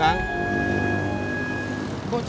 yang jelas ada dp nya